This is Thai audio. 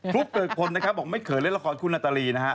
ุ๊กเกิดพลนะครับบอกไม่เคยเล่นละครคุณนาตาลีนะฮะ